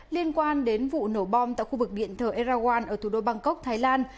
liên quan đến vụ nổ bom tại khu vực điện thờ éraguan ở thủ đô bangkok thái lan